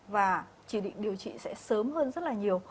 và chỉ định điều trị sẽ sớm hơn rất là nhiều